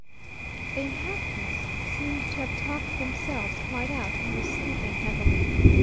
The inhabitants seemed to have talked themselves quite out and were sleeping heavily.